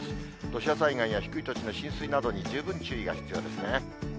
土砂災害や低い土地の浸水などに十分注意が必要ですね。